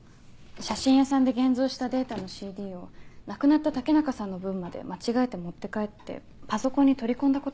写真屋さんで現像したデータのＣＤを亡くなった武中さんの分まで間違えて持って帰ってパソコンに取り込んだことがあるそうなんです。